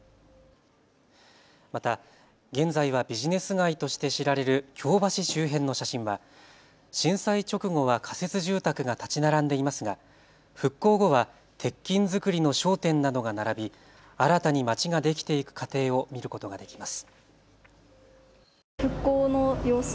また現在はビジネス街として知られる京橋周辺の写真は震災直後は仮設住宅が建ち並んでいますが、復興後は鉄筋造りの商店などが並び新たにまちができていく過程を見ることができます。